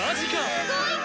すごいわ！